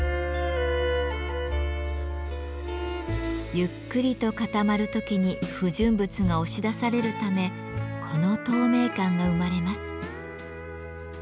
ゆっくりと固まる時に不純物が押し出されるためこの透明感が生まれます。